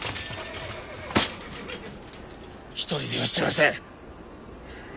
一人では死なせん。